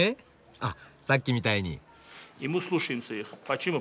あさっきみたいに。